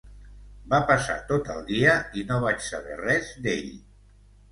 Va passar tot el dia i no vaig saber res d'ell.